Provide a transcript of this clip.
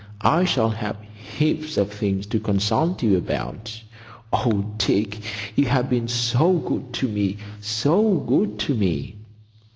I shall have heaps of things to consult you about. Oh, Dick, you have been so good to me!—so good to me!"